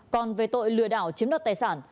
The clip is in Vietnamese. còn về tội lừa đảo chiếm đợt tài sản